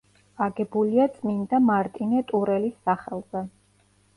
აგებულია წმინდა მარტინე ტურელის სახელზე.